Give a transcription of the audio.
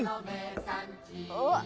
おっ。